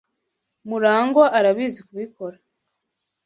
MuragwA arabizi kubikora